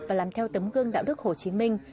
và làm theo tấm gương đạo đức hồ chí minh